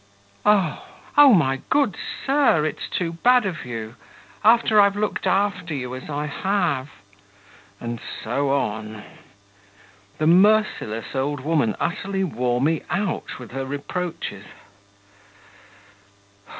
Oh ... oh, my good sir, it's too bad of you ... after I've looked after you as I have!' ... and so on. The merciless old woman utterly wore me out with her reproaches....